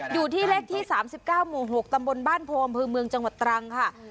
อยู่ที่เลขที่๓๙หมู่๖ตำบลบ้านโพอำเภอเมืองจังหวัดตรังค่ะ